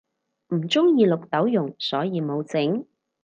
唔鍾意綠豆蓉所以無整